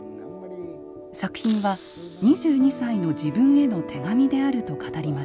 作品は２２歳の自分への手紙であると語りました。